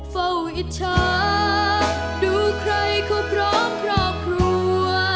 เฝ้าอิจฉาดูใครก็พร้อมครอบครัว